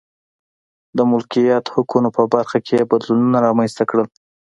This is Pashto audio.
د مالکیت حقونو په برخه کې یې بدلونونه رامنځته کړل.